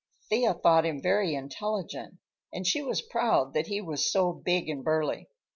Thea thought him very intelligent, and she was proud that he was so big and burly.